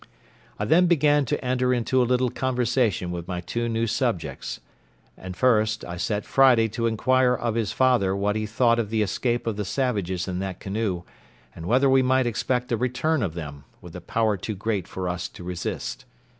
I then began to enter into a little conversation with my two new subjects; and, first, I set Friday to inquire of his father what he thought of the escape of the savages in that canoe, and whether we might expect a return of them, with a power too great for us to resist.